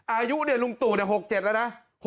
อายุลุงตู่๖๗แล้วนะ